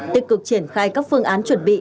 tích cực triển khai các phương án chuẩn bị